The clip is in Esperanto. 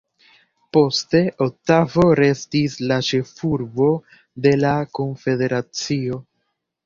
Poste, Otavo restis la ĉefurbo de la konfederacio.